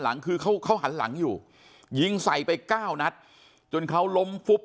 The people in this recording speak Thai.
หลังคือเขาหันหลังอยู่ยิงใส่ไป๙นัดจนเขาล้มฟุบ